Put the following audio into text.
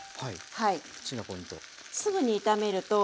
はい。